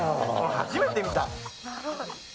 初めて見た。